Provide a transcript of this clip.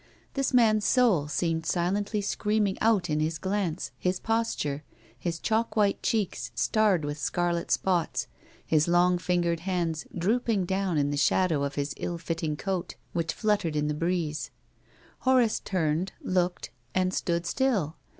This man's soul seemed silently screaming out in his glance, his posture, his chalk white cheeks starred with scarlet spots, his long fingered hands drooping down in the shadow of his ill fit ting coat, which fluttered in the breeze. Horace turned, looked, and stood still.